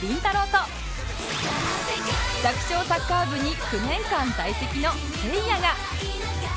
と弱小サッカー部に９年間在籍のせいやが